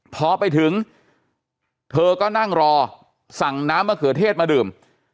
พอไปถึงเธอก็นั่งรอสั่งน้ำมะเขือเทศมาดื่ม